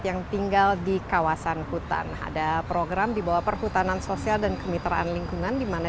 yang tinggal di kawasan hutan ada program dibawa perhutanan sosial dan kemitraan lingkungan dimana